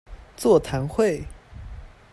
座談會